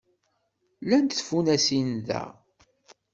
Llant tfunasin da.